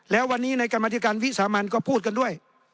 แล้ววันนี้ในกรรมธิการวิสามันก็พูดกันด้วย